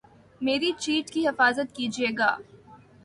میری چیٹ کی حفاظت کیجئے گا